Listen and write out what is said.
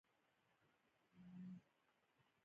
زما ټینګار ګټه ونه کړه او له ښوونځي محرومه شوم